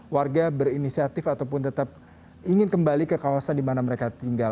warga berinisiatif ataupun tetap ingin kembali ke kawasan di mana mereka tinggal